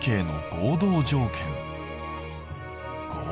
合同条件